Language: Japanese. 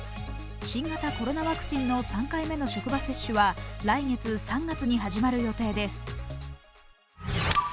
新型コロナワクチンの３回目の職場接種は来月３月に始まる予定です。